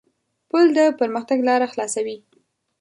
پُل د پرمختګ لاره خلاصوي.